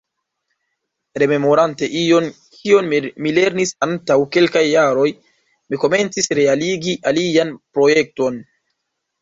Rememorante ion, kion mi lernis antaŭ kelkaj jaroj, mi komencis realigi alian projekton.